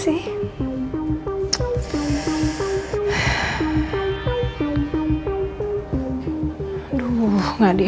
kenapa aku gak diangkat sih